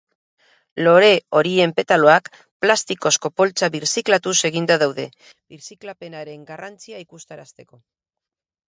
Lore horien petaloak plastikozko poltsa birziklatuz eginda daude birziklapenaren garrantzia ikusarazteko.